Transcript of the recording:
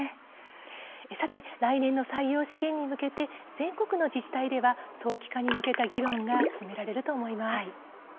さて来年の採用試験に向けて全国の自治体では早期化に向けて議論が進められると思います。